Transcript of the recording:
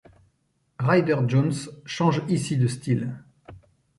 Ryder-Jones change ici de style.